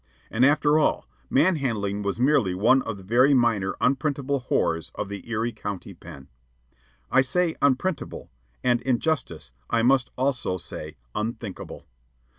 And after all, man handling was merely one of the very minor unprintable horrors of the Erie County Pen. I say "unprintable"; and in justice I must also say "unthinkable."